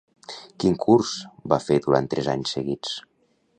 Quin curs va fer durant tres anys seguits?